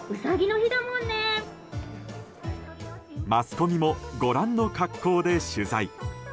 マスコミもご覧の格好で取材。